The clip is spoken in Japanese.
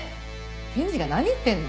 検事が何言ってんの。